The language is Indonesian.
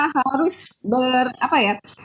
harus ber apa ya